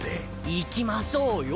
行きましょうよ。